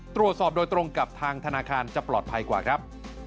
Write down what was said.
ตรวจสอบโดยตรงกับทางธนาคารจะปลอดภัยกว่าครับ